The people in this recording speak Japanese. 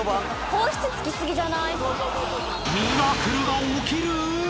［ミラクルが起きる！？］